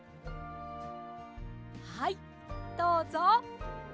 はいどうぞ。